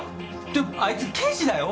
でもあいつ刑事だよ？